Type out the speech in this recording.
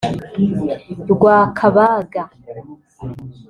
Rwakabaga